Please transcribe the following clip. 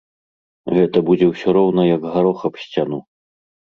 Гэта будзе ўсё роўна, як гарох аб сцяну.